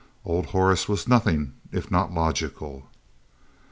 Old Horace was nothing if not logical.